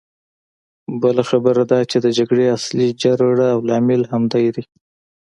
بله خبره دا چې د جګړې اصلي جرړه او لامل همدی دی.